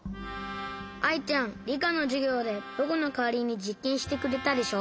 アイちゃんりかのじゅぎょうでぼくのかわりにじっけんしてくれたでしょ？